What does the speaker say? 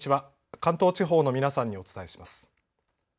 関東地方の皆さんにお伝えします。